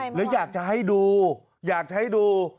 หรืออยากจะให้ดู